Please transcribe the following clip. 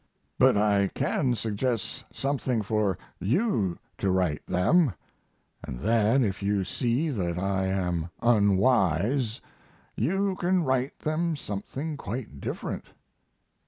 But I can suggest something for you to write them; and then if you see that I am unwise you can write them something quite different.